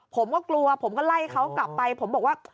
ผมก็กลัวผมก็ไล่เขากลับไปผมบอกว่า